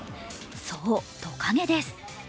そう、トカゲです。